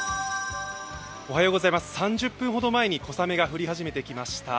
３０分ほど前に小雨が降り始めてきました。